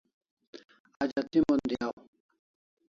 Ajati mon diaw